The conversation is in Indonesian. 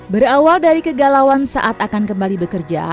berawal dari kegalauan saat akan kembali bekerja